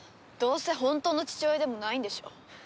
どうせ本当の父親でもないんでしょう？